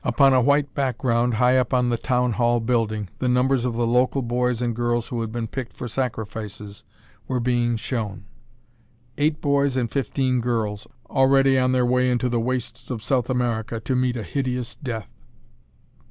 Upon a white background high up on the town ball building, the numbers of the local boys and girls who had been picked for sacrifices were being shown. Eight boys and fifteen girls, already on their way into the wastes of South America, to meet a hideous death.